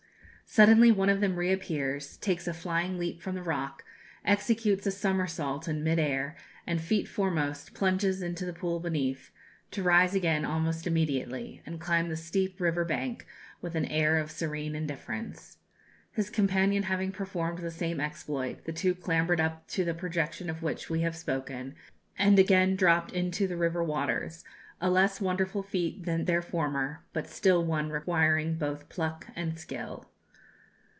Suddenly one of them reappears, takes a flying leap from the rock, executes a somersault in mid air, and feet foremost plunges into the pool beneath, to rise again almost immediately, and climb the steep river bank with an air of serene indifference. His companion having performed the same exploit, the two clambered up to the projection of which we have spoken, and again dropped into the river waters; a less wonderful feat than their former, but still one requiring both pluck and skill.